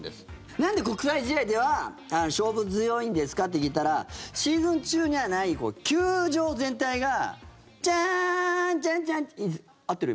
なんで国際試合では勝負強いんですか？って聞いたらシーズン中にはない、球場全体がチャーンチャンチャン。合ってる？